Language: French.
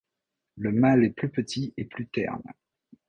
Le mâle est plus petit et plus terne.